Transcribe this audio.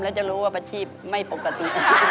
แล้วจะรู้ว่าอาชีพไม่ปกติ